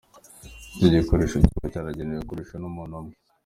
Iki gikoresho kiba cyaragenewe gukoreshwa n’umuntu umwe.